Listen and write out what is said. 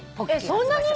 そんなに？